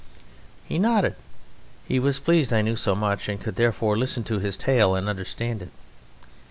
He nodded; he was pleased that I knew so much, and could therefore listen to his tale and understand it.